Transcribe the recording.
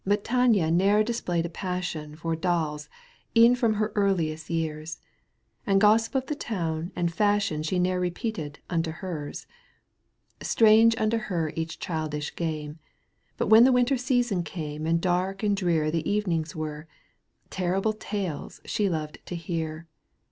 ^ But Tania ne'er displayed a passion For dolls, e'en from her earliest years, And gossip of the town and fashion She ne'e^ repeated unto hers. Strange unto her each childish game, But when the winter season came And dark and drear the evenings were, t Terrible tales she loved to hear.